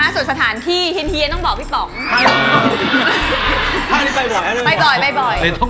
ส่วนสถานที่ที่ทีช์ดนตรีต้องบอกพี่ป๋อง